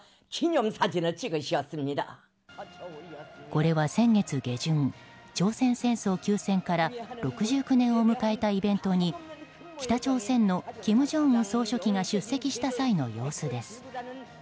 これは先月下旬朝鮮戦争休戦から６９年を迎えたイベントに北朝鮮の金正恩総書記が出席した際の様子です。